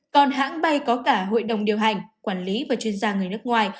còn hãng bay có cả hội đồng điều hành quản lý và chuyên gia người nước ngoài